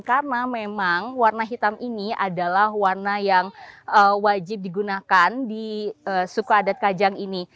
karena memang warna hitam ini adalah warna yang wajib digunakan di suku adat kajang ini